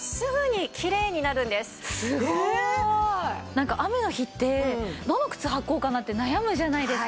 なんか雨の日ってどの靴履こうかなって悩むじゃないですか。